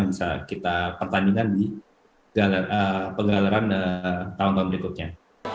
yang bisa kita pertandingan di penggalaran tahun tahun berikutnya